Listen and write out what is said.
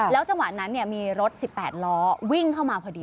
จังหวะนั้นมีรถ๑๘ล้อวิ่งเข้ามาพอดี